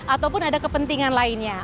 ataupun ada kepentingan lainnya